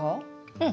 うん。